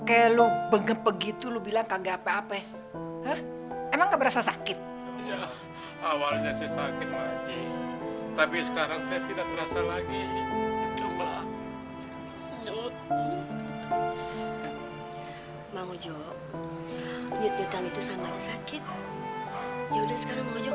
yaudah sekarang mau jok dokter ya